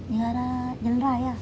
di arah jalan raya